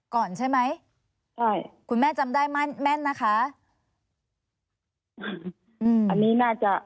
ก่อนใช่ไหมใช่คุณแม่จำได้แม่นแม่นนะคะอืมอันนี้น่าจะ